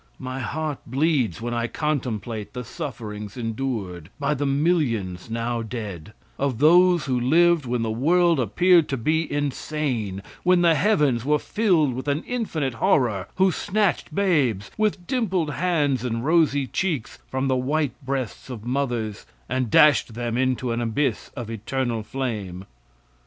My heart bleeds when I contemplate the sufferings endured by the millions now dead; of those who lived when the world appeared to be insane; when the heavens were filled with an infinite HORROR, who snatched babes, with dimpled hands and rosy cheeks, from the white breasts of mothers and dashed them into an abyss of eternal flame.